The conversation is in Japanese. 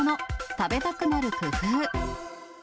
食べたくなる工夫。